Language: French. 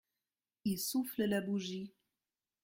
Il souffle la bougie.